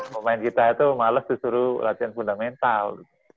pemain kita itu males disuruh latihan fundamental